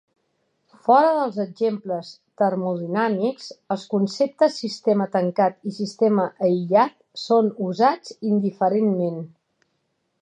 Fora dels exemples termodinàmics els conceptes sistema tancat i sistema aïllat són usats indiferentment.